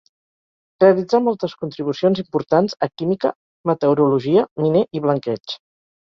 Realitzà moltes contribucions importants a química, meteorologia, miner i blanqueig.